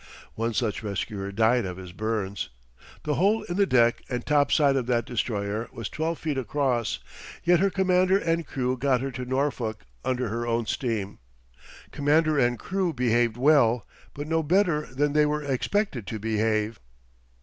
One such rescuer died of his burns. The hole in the deck and top side of that destroyer was twelve feet across, yet her commander and crew got her to Norfolk under her own steam. Commander and crew behaved well, but no better than they were expected to behave.